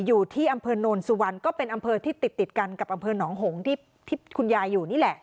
อยู่ที่อำเภอโนนสุวรรณก็เป็นอำเภอที่ติดกันกับอำเภอหนองหงที่คุณยายอยู่นี่แหละ